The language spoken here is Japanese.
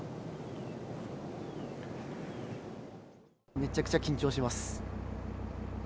めちゃくちゃ緊張します。